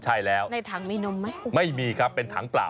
ใช่แล้วในถังมีนมไหมไม่มีครับเป็นถังเปล่า